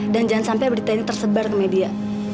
dan jangan sampai berita ini tersebar ke media